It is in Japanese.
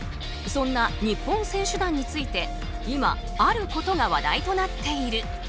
そんな日本選手団について今、あることが話題となっている。